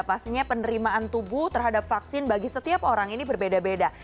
pastinya penerimaan tubuh terhadap vaksin bagi setiap orang ini berbeda beda